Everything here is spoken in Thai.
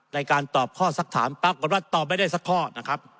และการตอบข้อสักต้ายก็คงก็ตอบไม่ได้สักข้อนะครับ